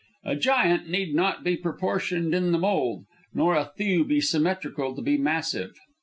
A giant need not be proportioned in the mould; nor a thew be symmetrical to be massive.